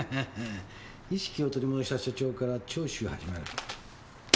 「意識を取り戻した社長から聴取始まる」